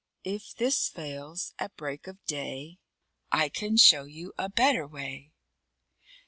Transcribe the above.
If this fail, at break of day, I can show you a better way.